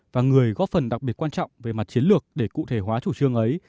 và người góp phần đặc biệt quan trọng về mặt chiến lược để cụ thể hóa chủ trương ấy